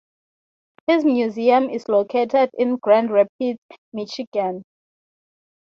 His Museum is located in Grand Rapids, Michigan.